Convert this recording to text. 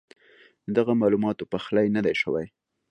ددغه معلوماتو پخلی نۀ دی شوی